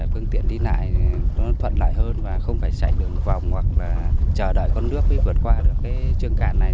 phương tiện đi lại nó thuận lại hơn và không phải chạy đường vòng hoặc chờ đợi con nước mới vượt qua được trường cản này